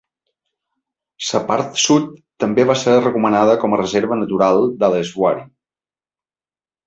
La part sud també va ser recomanada com a reserva natural "Dhaleswari".